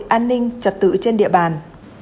an ninh trật tự trên địa bàn